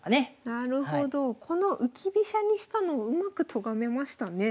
なるほどこの浮き飛車にしたのをうまくとがめましたね。